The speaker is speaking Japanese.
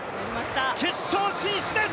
決勝進出です。